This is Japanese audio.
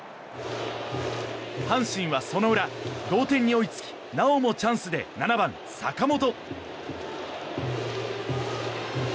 阪神はその裏、同点に追いつきなおもチャンスで７番、坂本。